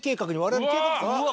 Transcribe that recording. うわ！